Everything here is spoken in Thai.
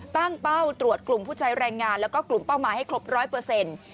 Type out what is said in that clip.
ตั้งเป้าตรวจกลุ่มผู้ใช้แรงงานแล้วก็กลุ่มเป้าหมายให้ครบร้อยเปอร์เซ็นต์